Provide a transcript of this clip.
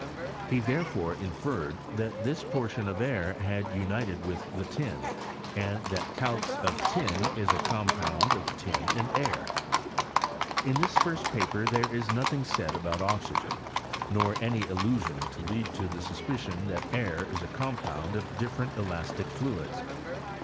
He therefore inferred, that this portion of air had united with the tin, and that caix of tin is a compound of tin and air. In this 6rst paper there is notlung said about oxygen, nor any allusion to lead to the suspi cion that air is a compound of different elastic fluids.